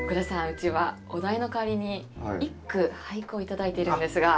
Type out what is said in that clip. うちはお代の代わりに一句俳句を頂いているんですが。